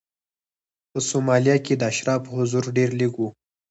په سومالیا کې د اشرافو حضور ډېر لږ و.